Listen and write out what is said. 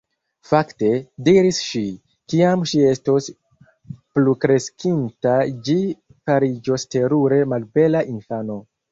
"Fakte," diris ŝi, "kiam ĝi estos plukreskinta ĝi fariĝos terure malbela infano. »